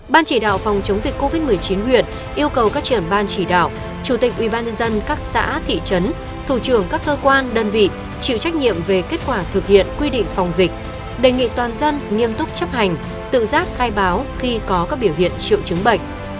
ban chỉ đạo phòng chống dịch covid một mươi chín huyện yêu cầu các trưởng ban chỉ đạo chủ tịch ubnd các xã thị trấn thủ trường các cơ quan đơn vị chịu trách nhiệm về kết quả thực hiện quy định phòng dịch đề nghị toàn dân nghiêm túc chấp hành tự giác khai báo khi có các biểu hiện triệu chứng bệnh